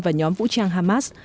và nhóm vũ trang hamas